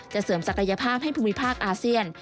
เสริมศักยภาพให้ภูมิภาคอาเซียน